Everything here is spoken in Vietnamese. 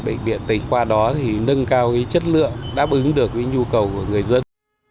bệnh viện tỉnh qua đó thì nâng cao chất lượng đáp ứng được nhu cầu của người dân